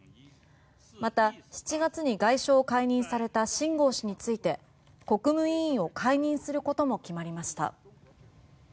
また７月に外相を解任された秦剛氏について国務委員を解任することも決まりました。